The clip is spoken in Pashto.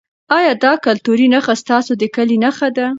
ایا دا کلتوري نښه ستاسو د کلي نښه ده؟